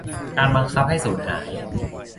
การบังคับให้สูญหาย